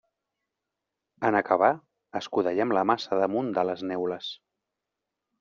En acabar, escudellem la massa damunt de les neules.